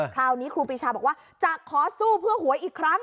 ครูปีชาบอกว่าจะขอสู้เพื่อหวยอีกครั้ง